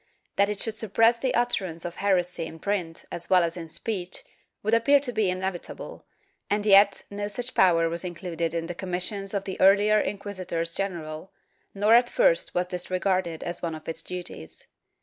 That it should suppress the utterance of heresy in print as well as in speech would appear to be inevitable, and yet no such power was included in the commissions of the earlier inquisitors general, nor at first was this regarded as one of its duties.